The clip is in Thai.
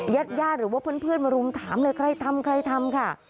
ญาติญาติหรือว่าเพื่อนมารุมถามเลยใครทำใครทำค่ะ